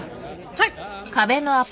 はい。